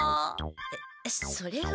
えっそれは。